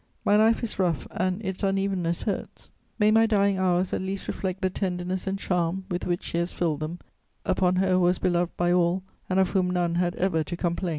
My life is rough and its unevenness hurts. May my dying hours at least reflect the tenderness and charm with which she has filled them upon her who was beloved by all and of whom none had ever to complain!